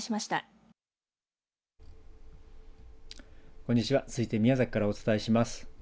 こんにちは、続いて宮崎からお伝えします。